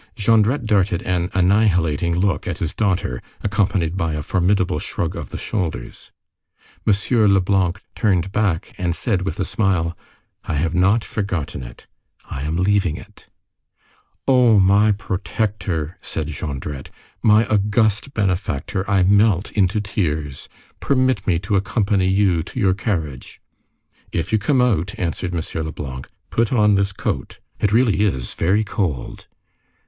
Jondrette darted an annihilating look at his daughter, accompanied by a formidable shrug of the shoulders. M. Leblanc turned back and said, with a smile:— "I have not forgotten it, I am leaving it." "O my protector!" said Jondrette, "my august benefactor, I melt into tears! Permit me to accompany you to your carriage." "If you come out," answered M. Leblanc, "put on this coat. It really is very cold."